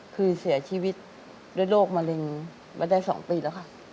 คือเสียชีวิตด้วยโรคมะเร็งมาได้๒ปีแล้วค่ะ